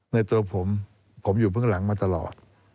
ในตัวผมผมอยู่เบื้องหลังมาตลอด